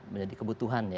menjadi kebutuhan ya